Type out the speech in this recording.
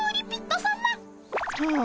はあ。